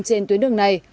trên tuyến đường này